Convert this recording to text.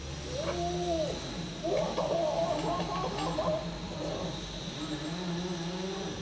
おおこれはすごいよ。